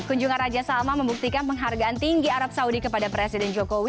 kunjungan raja salman membuktikan penghargaan tinggi arab saudi kepada presiden jokowi